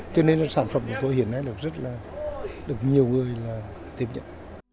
cho nên sản phẩm của tôi hiện nay được rất là được nhiều người tiếp nhận